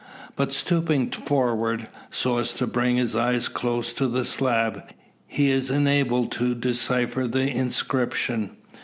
But stooping forward, so as to bring his eyes close to the slab, he is enabled to decipher the inscription.